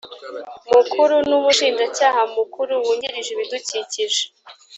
mukuru n umushinjacyaha mukuru wungirije ibidukikije